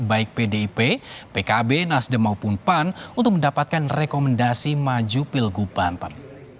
baik pdip pkb nasdem maupun pan untuk mendapatkan rekomendasi maju pilgub banten